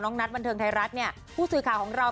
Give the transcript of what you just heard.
น้องน้องโตกันหมดแล้วนะคะ